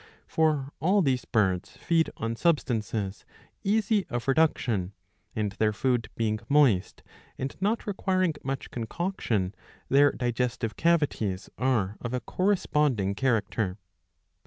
For all these birds feed on substances easy of reduction, and their food being moist and not requiring much concoction, their digestive cavities are of a corresponding character.